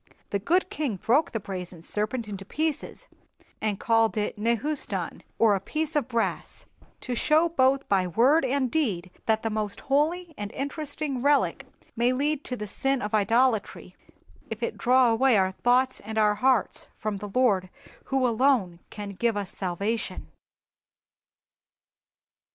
"The good king broke the brazen serpent into pieces, and called it Nehustan, or a piece of brass, to show both by word and deed that the most holy and interesting relic may lead to the sin of idolatry, if it draw away our thoughts and our hearts from the Lord who alone can give us salvation."